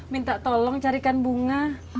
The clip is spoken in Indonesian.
minta tolong carikan bunga